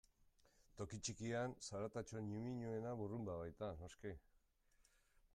Toki txikian, zaratatxo ñimiñoena burrunba baita, noski.